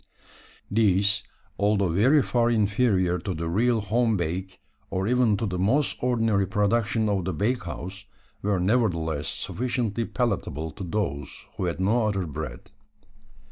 These, although very far inferior to the real home bake, or even to the most ordinary production of the bakehouse, were nevertheless sufficiently palatable to those who had no other bread.